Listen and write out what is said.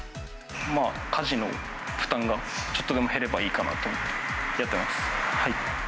家事の負担がちょっとでも減ればいいかなと思ってやってます。